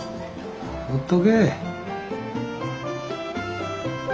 ほっとけ。